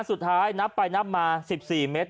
สุดท้ายนับไปนับมา๑๔เมตร